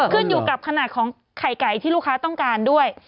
ขึ้นอยู่กับขนาดของไข่ไก่ที่ลูกค้าต้องการด้วย